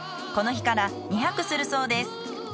この日から２泊するそうです。